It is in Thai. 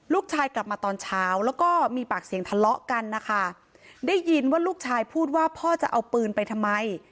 กลับมาตอนเช้าแล้วก็มีปากเสียงทะเลาะกันนะคะได้ยินว่าลูกชายพูดว่าพ่อจะเอาปืนไปทำไม